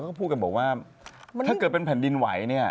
เขาก็พูดกันบอกว่าถ้าเกิดเป็นแผ่นดินไหว